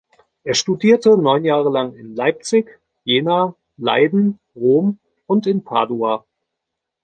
Er studierte neun Jahre lang in Leipzig, Jena, Leiden, Rom und in Padua.